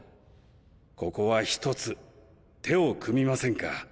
ここは一つ手を組みませんか？